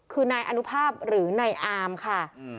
คือในอนุภาพหรือในอาร์มค่ะ